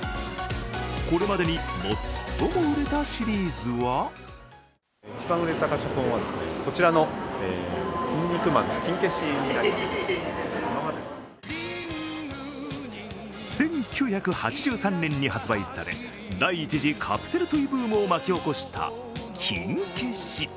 これまでに最も売れたシリーズは１９８３年に発売され第１次カプセルトイブームを巻き起こしたキンケシ。